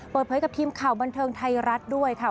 เปิดเผยกับทีมข่าวบันเทิงไทยรัฐด้วยค่ะ